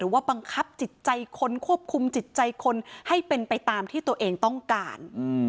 ว่าบังคับจิตใจคนควบคุมจิตใจคนให้เป็นไปตามที่ตัวเองต้องการ